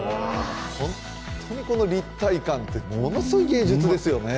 ホントに立体感ってものすごい芸術ですよね。